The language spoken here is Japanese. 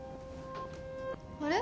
あれ？